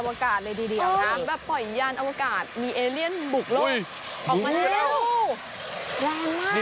ไม่เคยเห็นแบบนี้